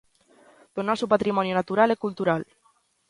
Do noso patrimonio natural e cultural.